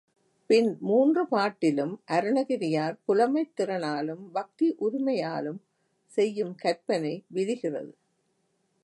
பின் மூன்று பாட்டிலும் அருணகிரியார் புலமைத் திறனாலும் பக்தி உரிமையாலும் செய்யும் கற்பனை விரிகிறது.